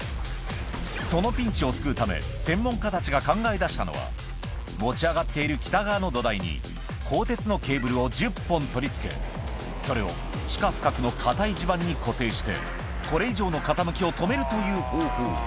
そのピンチを救うため専門家たちが考え出したのは持ち上がっている北側の土台に鋼鉄のケーブルを１０本取り付けそれを地下深くの固い地盤に固定してこれ以上の傾きを止めるという方法